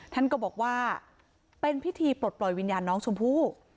ท่านก็บอกว่าเป็นพิธีปลดปล่อยวิญญาณน้องชมพู่